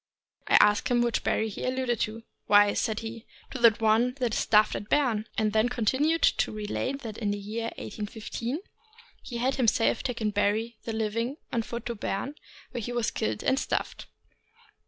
). I asked him which Barry he alluded to. " Why," said he, " to the one that is stuffed at Berne; " and then he continued to relate that in the year 1815 he had him self taken Barry, then living, on foot to Berne, where he was killed and stuffed.